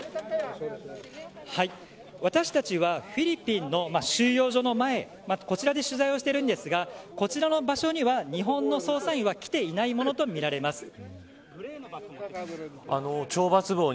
私たちは、フィリピンの収容所の前、こちらで取材をしているんですがこちらの場所には日本の捜査員は懲罰房に。